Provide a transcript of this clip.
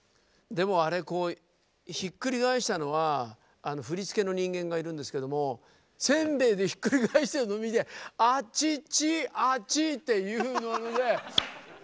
でもあれこうひっくり返したのは振り付けの人間がいるんですけどもせんべいでひっくり返してるの見て「アチチアチ」っていうので。